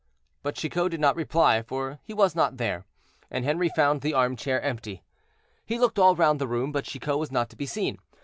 But Chicot did not reply, for he was not there; and Henri found the armchair empty. He looked all round the room, but Chicot was not to be seen.